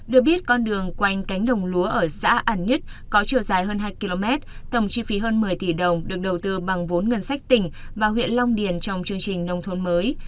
được biết con đường quanh cánh đồng lúa ở xã an nhất có chiều dài hơn hai km tổng chi phí hơn một mươi tỷ đồng được đầu tư bằng vốn ngân sách tỉnh và huyện long điền trong chương trình nông thôn mới